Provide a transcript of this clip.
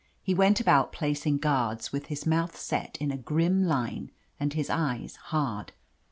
He went about placing guards, with his mouth set in a grim line and his eyes hard.